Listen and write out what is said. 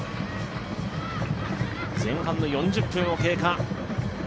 前半４０分を経過。